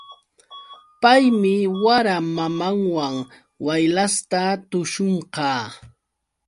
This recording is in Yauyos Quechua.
Paymi wara mamanwan waylasta tuśhunqa.